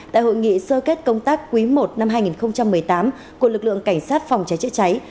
tại hội nghị sơ kết công tác quý i năm hai nghìn một mươi tám của lực lượng cảnh sát phòng cháy chữa cháy